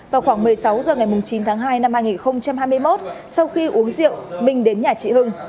vào khoảng một mươi sáu h ngày chín tháng hai năm hai nghìn hai mươi một sau khi uống rượu minh đến nhà chị hưng